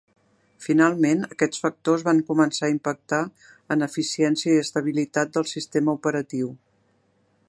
Finalment, aquests factors van començar a impactar en eficiència i estabilitat del sistema operatiu.